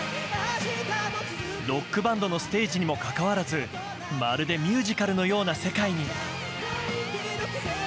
ロックバンドのステージにもかかわらずまるでミュージカルのような世界に。